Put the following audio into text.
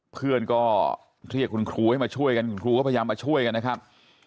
เพื่อนก็เรียกคุณครูให้มาช่วยกันคุณครูก็พยายามมาช่วยกันนะครับ